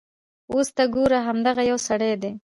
اوس ته ګوره همدغه یو سړی دی.